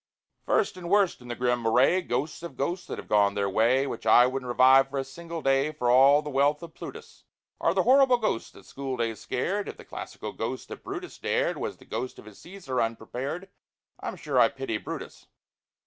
First and worst in the grim array— Ghosts of ghosts that have gone their way, Which I wouldn't revive for a single day For all the wealth of PLUTUS— Are the horrible ghosts that school days scared: If the classical ghost that BRUTUS dared Was the ghost of his "Cæsar" unprepared, I'm sure I pity BRUTUS.